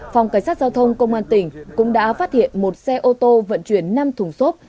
phòng cảnh sát giao thông công an tỉnh cũng đã phát hiện một xe ô tô vận chuyển năm thùng xốp